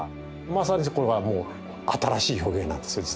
まさにこれはもう新しい表現なんですよ実は。